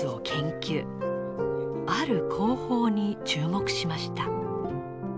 ある工法に注目しました。